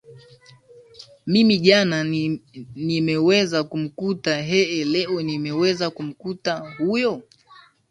mimi jana nimeweza kumkuta eeh leo nimeweza kumkuta huyo